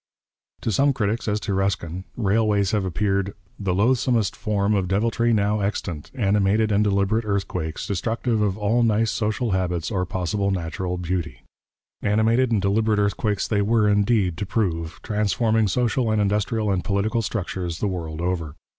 To some critics, as to Ruskin, railways have appeared 'the loathesomest form of deviltry now extant, animated and deliberate earthquakes, destructive of all nice social habits or possible natural beauty.' Animated and deliberate earthquakes they were indeed to prove, transforming social and industrial and political structures the world over.